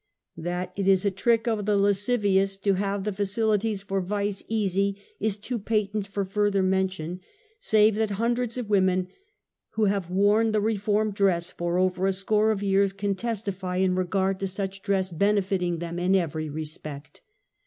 That it 132 UNMASKED. is a trick of tlie lascivious to have the facilities for vice easy is too patent for further mention, save that hundreds of women who have worn the reform dress for over a score of years can testify in regard to such dress benefiting them in every respect.